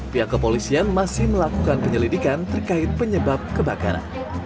pihak kepolisian masih melakukan penyelidikan terkait penyebab kebakaran